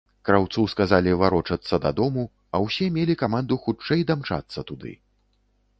Краўцу сказалі варочацца дадому, а ўсе мелі каманду хутчэй дамчацца туды.